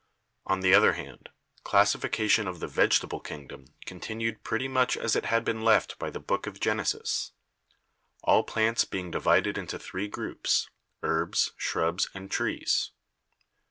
On the other hand, classification of the vegetable kingdom continued pretty much as it had been left by the book of Genesis — all plants being divided into three groups, Herbs, Shrubs and Trees.